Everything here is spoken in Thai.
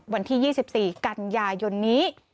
วันที่๒๔กันยายนนี้